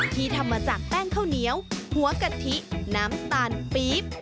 ที่ทำมาจากแป้งข้าวเหนียวหัวกะทิน้ำตาลปี๊บ